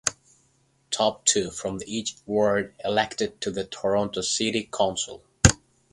Top two from each ward elected to Toronto City Council.